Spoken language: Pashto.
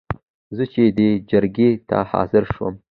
زه چې دې جرګې ته حاضر شوم.